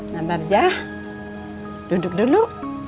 nah bakja duduk dulu